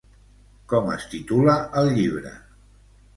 Com es titula el llibre?